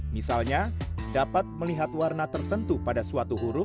misalnya dapat melihat warna tertentu pada suatu huruf